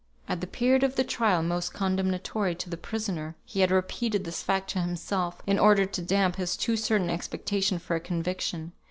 At the period of the trial most condemnatory to the prisoner, he had repeated this fact to himself in order to damp his too certain expectation of a conviction.